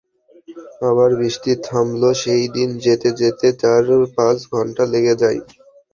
আবার বৃষ্টি থামলেও সেই পানি যেতে যেতে চার-পাঁচ ঘণ্টা লেগে যায়।